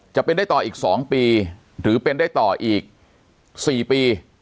จะเป็นได้ต่ออีก๒ปีหรือเป็นได้ต่ออีก๔ปี